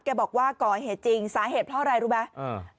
บอกว่าก่อเหตุจริงสาเหตุเพราะอะไรรู้ไหมอืม